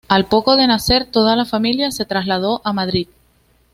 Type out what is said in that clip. Al poco de nacer, toda la familia se trasladó a Madrid.